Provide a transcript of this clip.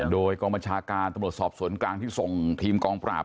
โดยกองบัญชาการตำรวจสอบสวนกลางที่ส่งทีมกองปราบ